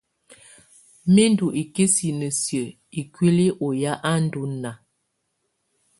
Mɛ̀ ndù ikisinǝ siǝ́ ikuili ɔ ya á ndù naa.